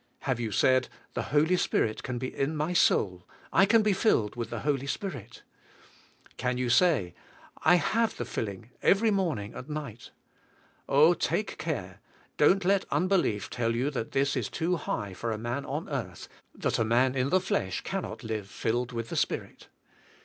Have you said, The Holy Spirit can be in my soul; I can be filled with the Holy Spirit? Can you say, I can have the filling every morning and night? Oh, take care! don't let unbelief tell you that this is too high for a man on earth, that a man in the flesh cannot live filled with the Spirit.